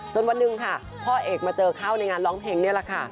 วันหนึ่งค่ะพ่อเอกมาเจอเข้าในงานร้องเพลงนี่แหละค่ะ